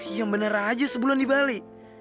yang bener aja sebulan di bali